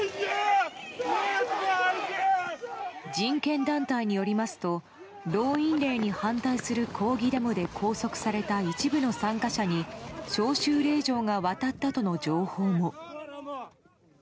人権団体によりますと動員令に反対する抗議デモで拘束された一部の参加者に招集令状が渡ったとの情報も。